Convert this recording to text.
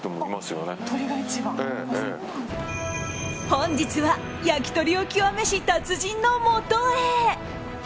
本日は焼き鳥を極めし達人のもとへ。